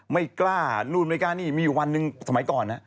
ไม่กล้านู่นไม่กล้านี่มีอยู่วันหนึ่งสมัยก่อนนะ